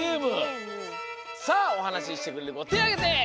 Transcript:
さあおはなししてくれるこてあげて！